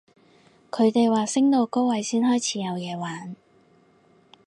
佢哋話升到高位先開始有嘢玩